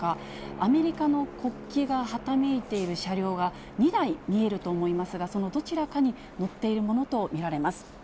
アメリカの国旗がはためいている車両が２台見えると思いますが、そのどちらかに乗っているものと見られます。